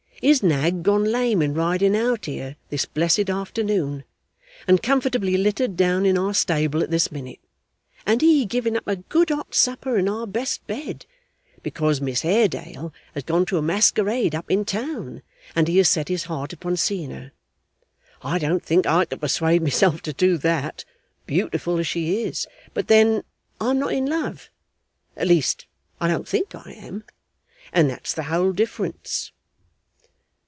His nag gone lame in riding out here this blessed afternoon, and comfortably littered down in our stable at this minute; and he giving up a good hot supper and our best bed, because Miss Haredale has gone to a masquerade up in town, and he has set his heart upon seeing her! I don't think I could persuade myself to do that, beautiful as she is, but then I'm not in love (at least I don't think I am) and that's the whole difference.